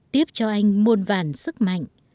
tiếp cho anh muôn vàn sức mạnh